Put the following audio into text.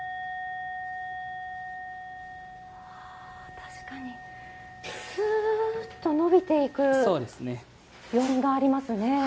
確かにスッと伸びていく余韻がありますね。